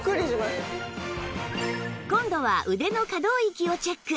今度は腕の可動域をチェック